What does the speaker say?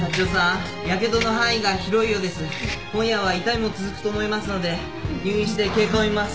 今夜は痛みも続くと思いますので入院して経過を見ます。